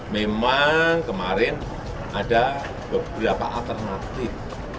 memang kemarin ada beberapa alternatif